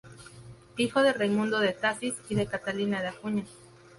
Hijo de Raimundo de Tassis y de Catalina de Acuña.